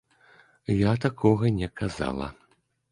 Я такога не казала.